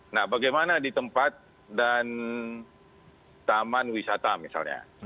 nah bagaimana di tempat dan taman wisata misalnya